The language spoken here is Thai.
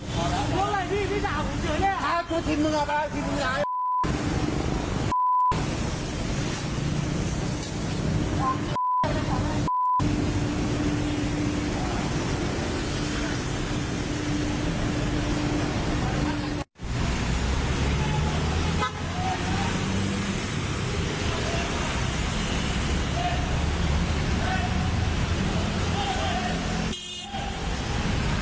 หัวไหร่ดีดีต่างหากูเจอเนี้ยอ้าวก็ทิ้งมึงอ่ะบ้าทิ้งมึงอ่ะ